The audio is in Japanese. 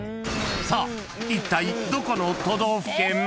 ［さあいったいどこの都道府県？］